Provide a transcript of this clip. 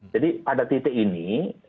jadi pada titik ini